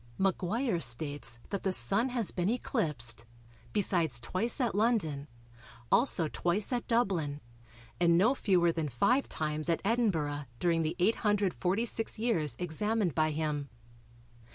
Maguire states that the Sun has been eclipsed, besides twice at London, also twice at Dublin, and no fewer than five times at Edinburgh during the 846 years examined by him.